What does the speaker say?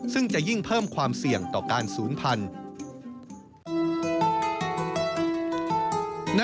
ซึ่งจะยิ่งเพิ่มความเสี่ยงต่อการศูนย์พันธุ์